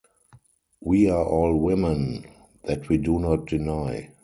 We are all women; that we do not deny.